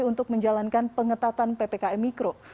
untuk menjalankan pengetatan ppkm mikro